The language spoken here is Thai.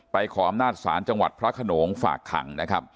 ขออำนาจศาลจังหวัดพระขนงฝากขังนะครับ